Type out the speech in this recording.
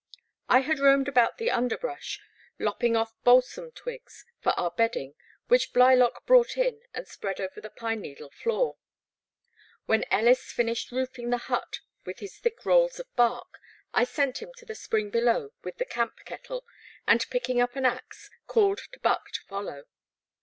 I had roamed about the underbrush, lopping off balsam twigs for our bedding which Blylock brought in and spread over the pine needle floor. When Ellis finished roofing the hut with his thick rolls of bark I sent him to the spring below with the camp kettle, and picking up an axe, called to Buck to follow.